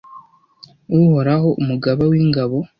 Uhoraho Umugaba w’ingabo,